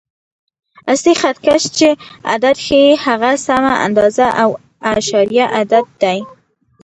اصلي خط کش چې عدد ښیي، هغه سمه اندازه او اعشاریه عدد دی.